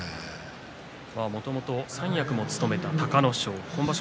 もともと三役も務めた隆の勝、今場所